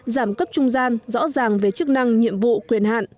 giảm cấp trung gian rõ ràng về chức năng nhiệm vụ quyền hạn